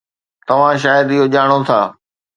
توهان شايد اهو ڄاڻو ٿا